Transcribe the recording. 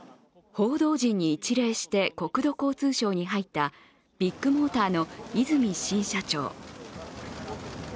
報道陣に一礼して国土交通省に入ったビッグモーターの和泉新社長。